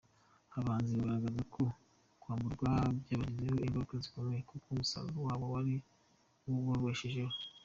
Aba bahinzi bagaragaza ko kwamburwa byabagizeho ingaruka zikomeye kuko umusaruro wabo ari wo ubabeshaho.